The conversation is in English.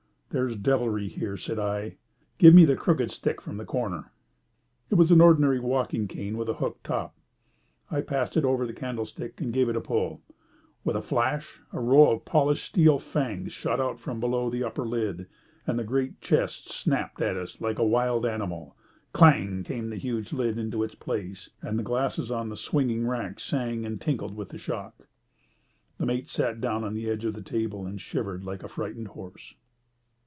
"There's devilry here," said I. "Give me the crooked stick from the corner." It was an ordinary walking cane with a hooked top. I passed it over the candlestick and gave it a pull. With a flash a row of polished steel fangs shot out from below the upper lip, and the great striped chest snapped at us like a wild animal. Clang came the huge lid into its place, and the glasses on the swinging rack sang and tinkled with the shock. The mate sat down on the edge of the table and shivered like a frightened horse.